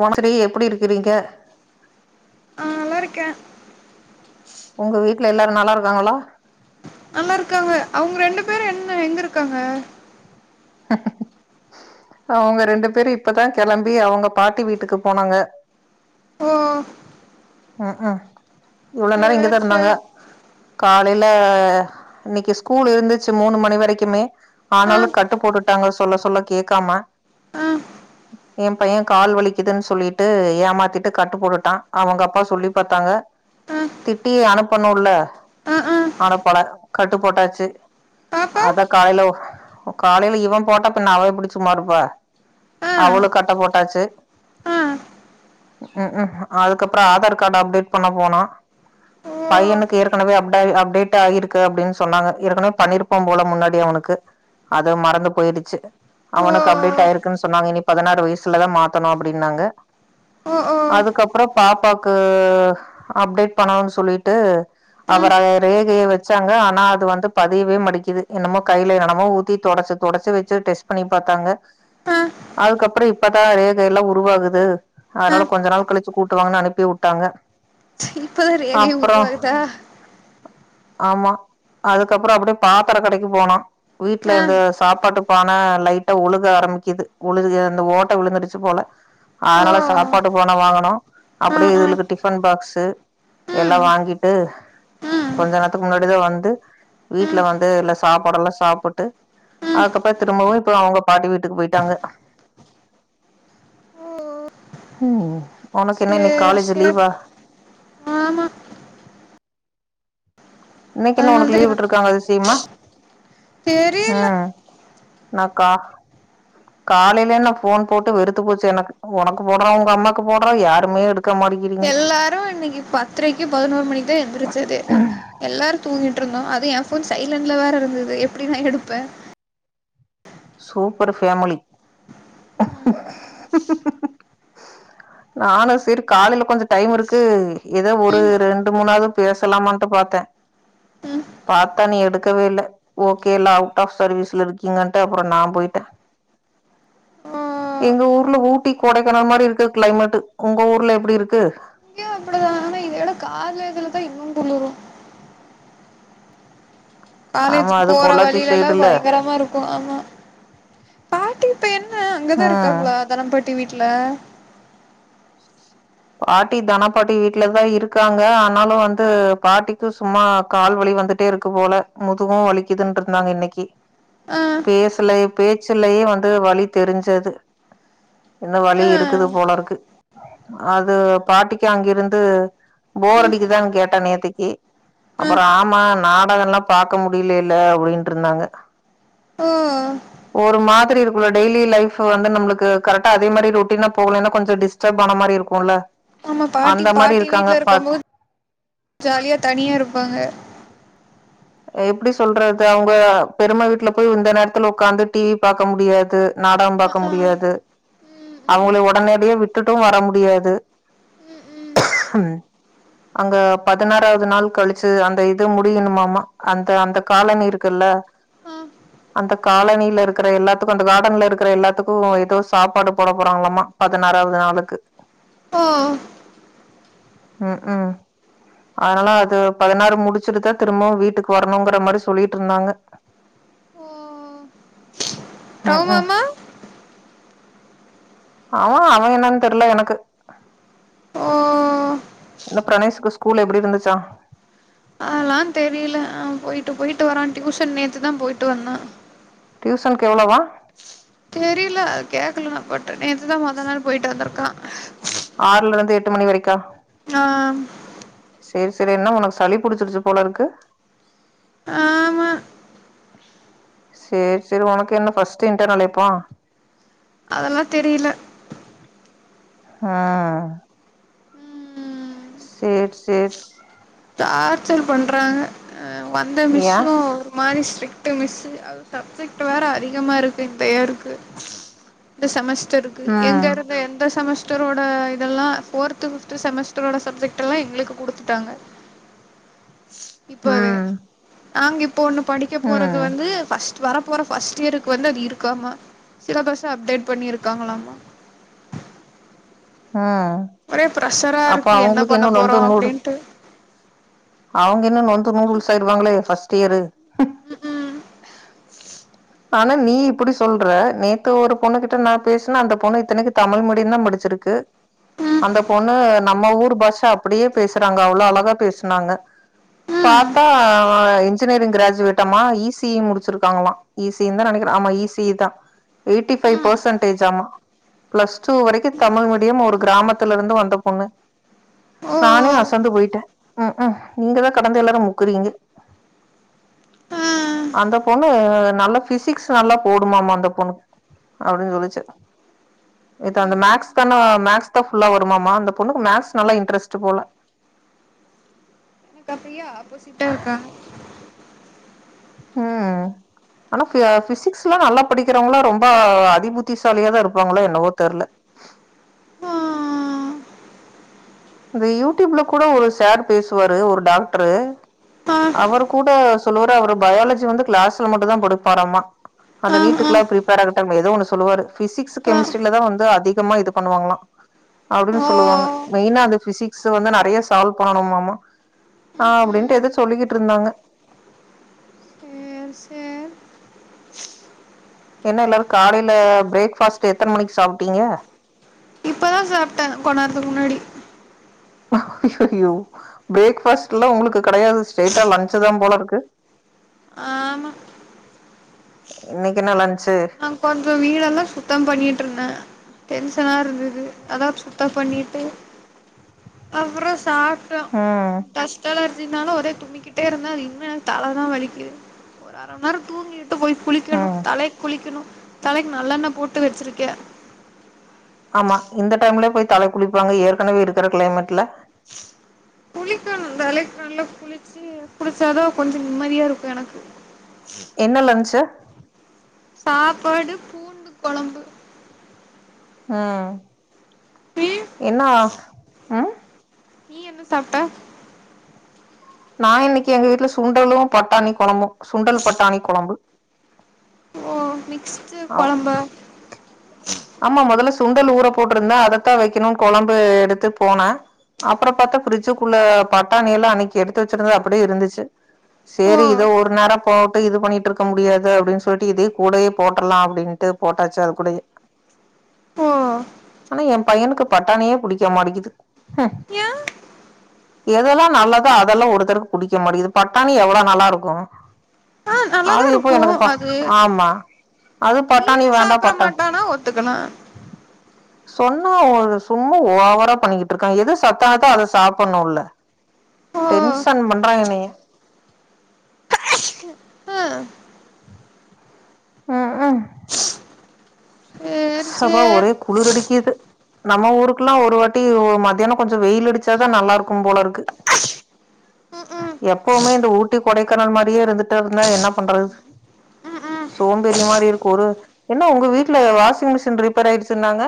ஒமசரி எப்டி இருக்கிறீங்க ஆஹ் நல்லா இருக்கே உங்க வீட்டுல எல்லாரு நல்லா இருக்காங்களா நல்லா இருக்காங்க அவுங்க ரெண்டு பேரு என்ன எங்க இருக்காங்க அவுங்க ரெண்டு பேரு இப்பதா கெளம்பி அவுங்க பாட்டி வீட்டுக்கு போனாங்க ஓ க்ம் இவ்வளோ நேரோ இங்க சேர் தா இருந்தாங்க சேர் காலையில இன்னைக்கு ஸ்கூல் இருந்துச்சு மூணு மணி வரைக்குமே ஆ ஆனாலு கட்டு போட்டுட்டாங்க சொல்ல சொல்ல கேக்காம ஆ என் பையன் கால் வலிக்குதுன்னு சொல்லிட்டு ஏமாத்திட்டு கட்டு போட்டுட்டா அவுங்க அப் அப்பா சொல்லி பாத்தாங்க ஆ திட்டி அனுப்பனுல்ல ஆ ஆ அனுப்பல கட்டு போட்டாச்சு பாப்பா அத்தா காலையில காலையில இவன் போட்டா பின்ன அவ எப்டி சும்மா இருப்பா ஆ அவளு கட்டு போட்டாச்சு ஆ ம் உ அதுக்கப் அப்றோ ஆதார் கார்டு அப்டேட் பண்ண போனோ ஓ பையனுக்கு ஏற்கனவே அப்டே அப்டேட் ஆயிருக்கு அப்டின்னு சொன்னாங்க ஏற்கனவே பண்ணிருப்போம் போல முன்னாடி அவுனுக்கு அது மறந்து போயிருச்சு ஓ அவுனுக்கு அப்டேட் ஆயிருக்குன்னு சொன்னாங்க இனி பதினாறு வயசுலதா மாத்தணு அப்டின்னாங்க ஓ ஓ அதுக்கப்பறோ பாப்பாக்கு அப்டேட் பண்ணணும்னு சொல்லிட்டு அவர் ம் அவ ரேகைய வச்சாங்க ஆனா அது வந்து பதியவே மாடிக்கீது என்னமோ கையில என்னமோ ஊத்தி தொடச்சு தொடச்சு வெச்சு டெஸ்ட் பண்ணி பாத்தாங்க ஆ அதுக்கப்பரோ இப்பதா ரேகையெல்லா உருவாகுது ஆ அதனால கொஞ்ச நாள் கலிச்சு கூட்டுவாங்கனு அனுப்பி உட்டாங்க [unintelligible] ரேகையே உருவாகுதா ஆமா அதுக்கப்பறோ அப்டியே பாத்திர கடைக்கு போனோ வீட்டுல ஆ இந்த சாப்பாட்டுப் போன லைட்டா ஒழுக ஆரம்பிக்குது ஒழுக இந்த ஓட்ட விழுந்துருச்சு போல ஓ அதனால சாப்பாட்டு பான வாங்கனோ ஆ அப்டியே ஆ இதுகளுக்கு டிஃபன் பாக்ஸ்சு எல்லா ம் வாங்கிட்டு ம் கொஞ்ச நேரத்துக்கு முன்னாடிதா வந்து வீட்டுல ம் வந்து இல்ல சாப்பாடெல்லா சாப்புட்டு ம் அதுக்கப்பற திரும்பவு இப்ப அவுங்க பாட்டி வீட்டுக்கு போயிட்டாங்க ம் ஓனக்கு என்னா இன்னைக் சேர் காலேஜ் சேர் லீவா ஆமா இன்னைக்கு என்ன உனக்கு லீவு அதனாலதா விட்டிருக்காங்க அதிசீமா தெரில ம் நா கா காலையில நா ஃபோன் போட்டு வெறுத்து போச்சு எனக்கு உனக்கு போடுறோ உங்க அம்மாக்கு போடுறோ யாருமே எடுக் எல்லாரு இன்னைக்கு பத்தரைக்கு பதினோரு மணிக்குதா எழுந்திச்சதே எல்லாரு தூங்கிட்டு இருந்தோ அது எ ஃபோன் சைலன்ட்ல வேற இருந்தது எப்டி நா எடுப்பே சூப்பர்பேமிலி நானு சேரி காலையில கொஞ்சோ டைம் இருக்கு ஏதோ ஒரு ரெண்டு மூணாவது பேசலாமன்டு பாத்தே பத்தா நீ எடுக்கவே இல்ல ஓகே நீ அவுட்ஆப் சர்வீஸ்ல இருக்கீங்க ட அப்புறோ நா போயிட்டே ஆ எங்க ஊர்ல ஊட்டி கொடைக்கானல் மாரி இருக்கு கிளைமேட்டு் உங்க ஊர்ல எப்டி இருக்கு கால்ல இதுலதா இன்னு குளிரு ஆமா காலேஜுக்கு அது போற பொள்ளாச்சி வலிலல்லா சைடுல பயங்கரமா இருக்கோ ஆமா பாட்டி இப்ப என்ன அங்கதா ம் இருக்காங்களா தனம்பாட் டி வீட்ல பாட்டி தனாபாட்டி வீட்டுலதா இருக்காங்க ஆனாலு வந்து பாட்டிக்கு சும்மா கால்வலி வந்துட்டே இருக்கு போல முதுகும் வலிக்குதுன்டு இருந்தாங்க இன்னிக்கி ஆ பேசல பேச்சுலயே வந்து வலி தெரிஞ்சது இந்த வலி ஆ இருக்குது போல இருக்கு அது பாட்டிக்கு அங்கிருந்து ம் போரடிக்குதா கேட்டே நேத்திக்கி ஆ அப்புறோ ஆமா நாடகம்லா பாக்க முடிலல்ல அப்டின்டு இருந்தாங்க ஓ ஒரு மாதிரி இருக்கு டெய்லி லைஃப் வந்து நம்மளுக்கு கரெக்டா அதே மாரி ரொட்டீனா போகலன்னா கொஞ்ச டிஸ்டப்பான மாரி இருக் குல ஆமா பாட்டி பாட்டி வீட்டுல இருக்கும் போது ஜாலியா தனியா இருப்பாங்க எப்டி சொல்றது அவுங்க பெரிமா வீட்டுல போய் இந்த நேரத்துல உகாந்து டிவி பாகக்க முடியாது நாடகம் அ பாக்க ஆ முடியாது ம் அவுங்கள ம் உடனடிய விட்டுட்டு வர முடியாது ம் ம் அங்க பதினாறாவது நாள் கலிச்சு அந்த இது முடியணுமாம அந்த அந்த காலனி இருக்குல்ல ஆ அந்த காலனில இருக்குற எல்லாத்துக்கு அந்த கார்டன்ல இருக்கிற எல்லாத்துக்கு ஏதோ சாப்பாடு போட போறாங்களாமா பதினாறாவது நாளுக்கு ஓ உக்கும் அதனால அது பதினாறு முடிச்சுட்டுதா திரும்பவு வீட்டுக்கு வரணுங்கற மாரி சொல்லிட்டிருந்தாங்க ஆமாமா அவன் அவன் என்னன்னு தெரில எனக்கு ஓ என்ன பிரணேஷுக்கு ஸ்கூல் எப்டி இருந்துச்சாம் அதான் தெரியல அவன் போயிட்டு போயிட்டு வரான் டியூஷன் நேத்துதான் போயிட்டு வந்தான் டியூசன்கு எவ்ளோவான் தெரியல அது கேக்கல நா த்து நேத்து தான் மொத நாள் போயிட்டு வந்துருக்கான் ஆறுலருந்து எட்டு மணி வரைக்கா ஆஹ் செரி செரி என்ன உனக்கு சளி புடிச்சிருச்சு போல இருக்கு ஆமா செரி செரி உனக்கு என்ன ஃபர்ஸ்ட் இன்டரன்ல் எப்போ அதெல்லாம் தெரியல ஆஹ் ம் செரி செரி டார்ச்சல் பண்றாங்க அ வந்த ஏ மிஸும் ஒரு மாதிரி ஸ்ட்ரீ இந்த மிஸ்ஸு அது சப்ஜெக்ட் வேற அதிகமா இருக்கு இந்த யியெர்க்கு இந்த செமஸ் டருக்கு எங்க ம் இருந்து எந்த செமஸ் டரோட இதெல்லம் ஃபோர்த்து ஃபிஃப்த் செமஸ்டரோட சப்ஜெக்ட் எல்லாம் எங்களுக்கு குடுத்துட்டாங்க இப்பவே உஹம் நாங்க இப் போ ஒண்ணு படிக்க போறது வந்து ஃபர்ஸ் வர போற ஃபர்ஸ்ட் யேருக்கு வந்து அது இருக்காமா சிலபஸ்ஸா அப்டேட் பண்ணிருக்காங்களாமா ஆஹ் ஒரே பிரஷரா இருக்கு என்ன பண்ண போறோம் அப்டின்ட்டு அவுங்க இன்னு நொந்து நூடுல்ஸ் ஆயிருவாங்களோ ஃபர்ஸ்ட் இயரு ம் ஆனா நீ இப்படி சொல்ற நேத்து ஒரு பொண்ணுகிட்ட நான் பேசினேன் அந்த பொண்ணு இத்தனைக்கு தமிழ் மீடியம் தான் முடிச்சிருக்கு ம் அந்த பொண்ணு நம்ம ஊர் பாஷை அப்டியே பேசுறாங்க அவ்ளோ அழகா பேசுனாங்க ம் ம் பாத்தா அவ இன்ஜினியரிங் கிராஜுவேட் ஆமா இ சி இ முடிச்சிருக்காங்களாம் ஈஸிந்த நெனைக்கிறேன் ஆமா ஈஸி தான் எயிட்டிபைவ் ம் பர்சன்டேஜமா ப்ளஸ் டூ வரைக்கும் தமிழ் மீடியம் ஒரு கிராமத்துல இருந்து வந்த பொண்ணு நானே ஓ அசந்து போயிட்டேன் உம் உம் நீங்கதான் கடந்து எல்லாரும் முக்குறீங்க அந்த பொண்ணு நல்ல பிசிக்ஸ் நல்லா போடுமாமா அந்த பொண்ணு அப்டின்னு சொல்லிச்சு நேத்து அந்த மேக்ஸ்காண மேக்ஸ் தான் ஃபுல்லா வருமாம அந்த பொண்ணுக்கு மேக்ஸ் நல்ல இன்ட்ரஸ்ட் போல எனக்கு அப்டியே ஆப்போசிட்டா இருக்காங்க ம் ஆனா பி பிசிக்ஸ்லாம் நல்லா படிக்கிறவங்களா ரொம்ப அதிபுத்திசாலியாதான் இருப்பாங்களோ என்னவோ தெருல இத யூடியூப்ல கூட ஒரு சேர் பேசுவாரு ஒரு டாக்டரு அவரு கூட சொல்லுவாரு அவரு பயாலஜி வந்து கிளாஸ்ல மட்டும் தான் படிப்பாராம அந்த நீட்டுக்லா ப்ரிப்பேர் ஆகட்டம் ஏதோ ஒண்ணு சொல்லுவாரு பிசிக்ஸ் கெமிஸ்ட்ரிலதான் வந்து அதிகமா இது பண்ணுவாங்களா அப்டின்னு சொல்லுவாங்க மெய்னா அது பிசிக்ஸு வந்து நறைய சால்வ் பண்ணணும்மாம ஆ அப்டின்ட்டு எதோ சொல்லிக்கிட்டு இருந்தாங்க [unintelligible] சே என்ன எல்லாரும் காடைல பிரேக்பாஸ்ட் எத்தன மணிக்கு சாப்ட்டீங்க இப்பதான் சாப்ட்டேன் கொண்ணேரதுக்கு முன்னாடி ஹா அயயோ பிரேக்பாஸ்ட்ல உங்களுக்கு கெடையாது ஸ்டைட்ட லன்ச்சு தான் போலருக்கு ஆமா இணைக்கு என்ன லன்ச்சு நான் கொஞ்சம் வீடெல்லாம் சுத்தம் பண்ணிட்டு இருந்தேன் டென்சனா இருந்தது அதான் சுத்தம் பண்ணிட்டு அப்புறம் சாப்ட அதான் ம் டஸ்ட் அலர் தினாலும் ஒரே தும்மிகிட்டே இருந்தாஅது இன்னும் எனக்கு தல தான் வலிக்குது ஒரு அரை மணி நேரம் தூங்கி ட்டு போய் குளிக்கணும் ம் தலைக் குளிக்கணும் தலைக்கு நல்லண்ண போட்டு வெச்சிருக்கே ஆமா இந்த டைம்லயு போய் தல குளிப்பாங்க ஏற்கனவே இருக்குற க்ளைமெட்ல ந்தாலே தல குளிச்சி குளிச்சாதா கொஞ்சொ நிம்மதியா இருக்கு எனக்கு என்ன லன்ச்சு சாப்பாடு பூண்டு கொழம்பு ம் நீ என்ன ஆ ம் நீ என்ன சாப்ட்டா நா இன்னைக்கு எங்க வீட்ல சுண்டலு பட்டாணி கொழம்பு சுண்டல் பட்டாணி கொழம்பு ஃபர்ஸ்ட் கொழம்பா ஆமாமா மொதல்ல சுண்டல் ஊற போட்டுருந்த அதத்தா வெக்கணுனு கொழம்பு எடுத்து போனே அப்றோ பாத்தா ஃபிரிட்ஜுக்குள்ள க பட்டாணி எல்லா அன்னிக்கி எடுத்து வேச்சிருந்தது அப்டியை இருந்துச்சு ஓ சேரி இத ஒரு நேரோ போட்டு இது பண்ணிட்டிருக்க முடியாது அப்டின்னு சொல்ட்டு இதயு கூடயே போட்டர்லா அப்டின்ட்டு போட்டாச்சு அது கூடயே ஓ ஆனா என் பையனுக்கு பட்டாணியே புடிக்க மாடிகுது ஹ்ம் ஏ எதெல்லா நல்லதோ அதெல்லா ஒருத்தருக்கு புடிக்க மாட்டிகுது பட்டாணி எவ்ளோ நல்லா இருக்கு ஆ நல்லாதா அது இப்போ இருக்கு எனக்குப்பா அது ஆமா அது கீர பட்டாணி வேண்டா சாப்ட பட்டாணி மாட்டானா ஒத்துக்கனு சொன்னா ஒரு சும்மா ஓவரா பண்ணிக்கிட்டு இருக்கான் எது சத்தானதா அத சாப்டனுல்ல ஓ டென்ஸன் பண்றாங்க என்னய ஆ ம் சேரி ஸ்சபா சேர் ஒரே குளிரடிக்குது நம்ம ஊருக்கெல்லா ஒரு வாட்டி மத்தியானோ கொஞ்சோ வெயில் அடிச்சாதா நல்லா இருக்கும்போல இருக்கு ம் ம் எப்பமே இந்த ஊட்டி கொடைக்கானல் மாரியே இருந்துட்டாருனா என்ன பண்றது ம் ம் சோம்பேறி மாரி இருக்கு ஒரு என்ன உங்க வீட்ல வாஷிங் மிஷின் ரிப்பேர் ஆயிருச்சுன்னாங்க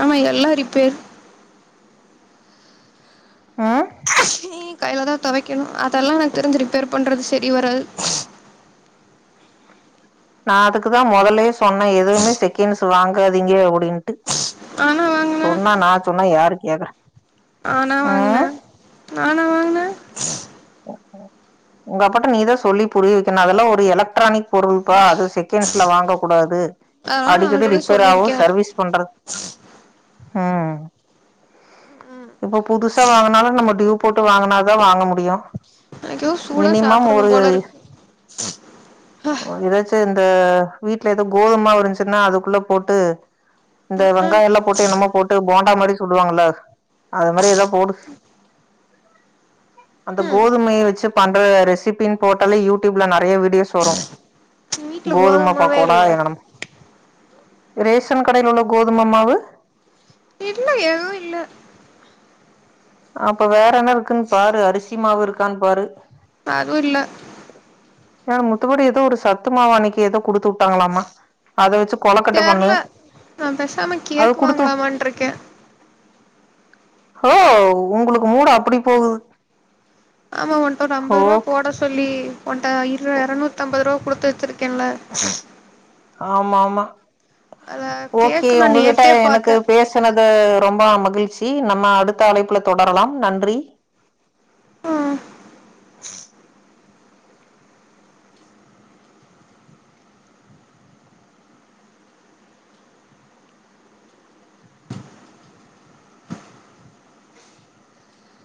ஆமா எல்லா ரிப்பேர் ம் அதுலதா துவைக்கணு அதெல்லா எனக்கு தெரிஞ்சு ரிப்பேர் பண்றது செரி வராது நா அதுக்குதா மொதல்லயே சொன்னே எதுமே செகண்ட்ஸ் வாங்காதீங்க அப்டின்ட்டு ஆனா வாங்குனா சொன்னா நா சொன்னா யாரு கேக்குறா ஆ நா வாங்குனே ம் நானா வாங்குனே உங்க அப்பாட்ட நீதான் சொல்லி புரியவைக்கோணும் அதெல்லாம் ஒரு எலக்ட்ரானிக் பொருள்பா அது செகண்ட்ஸ்ல வாங்க கூடாது அதெல்லா நா அடிக்கடி ஆல்ரெடி ரிப்பேர் ஆகும் சொல்லியிருக்கே சர்வீஸ் பண்றத் ம் இப்ப புதுசா வாங்குனாலும் நம்ம டியூ போட்டு வாங்குனாதான் வாங்க முடியும் எதோ சூடா சாப்புடணும் போல இருக்கு ஹப்பா ஏதாச்சு இந்த வீட்ல ஏதோ கோதுமாவு இருந்துச்சுன்னா அதுக்குள்ள போட்டு இந்த ஆ வெங்காயெலாம் போட்டு என்னமோ போட்டு போண்டா மாரி சுடுவாங்கல்ல அது மாரி ஏதோ போடு ம் கோதுமைய வச்சு பண்ற ரெசிபினு போட்டாலே யூடியூப்ல நிறைய வீடியோஸ் வரும் வீட்ல கோதுமை கோதுமாவே பக்கோடா இல்ல எனம் ரேஷன் கடையில உள்ள கோதுமைமாவு இல்ல எதுவு இல்ல அப்ப வேறென்ன இருக்குனு பாரு அரிசி மாவு இருக்கானு பாரு அதும் இல்ல ஏ முத்து கூட ஏதோ ஒரு சத்து மாவு அன்னிக்கு ஏதோ குடுத்து விட்டாங்களாமா அத வச்சு கொலக்கட்ட பண்ணு தெர்ல நான் பேசாம அது குடுத்து கேக்குவாங்கலாமான்ட்ருக்கேன் ஓ உங்களுக்கு மூடு அப்படி போகுது ஆமா ஒன்ட ஒரு ஐம்பது ரூவா ஓகே போட சொல்லி ஒன்ட் இருல இரநூத்தம்பது ரூவா கொடுத்து வச்சுருக்கேனல்ல சம [unintelligible] ஆமா ஆமா ஓகே கேக்கு நா உங்ககிட்ட நேத்தே எனக்கு பாத்தே பேசுனது ரொம்ப மகிழ்ச்சி நம்ம அடுத்த அழைப்புல தொடரலா நன்றி ம்